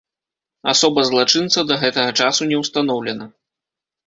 Асоба злачынца да гэтага часу не ўстаноўлена.